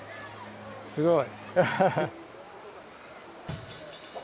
すごい！